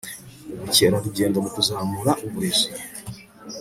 ubukerarugendo mukuzamura uburezi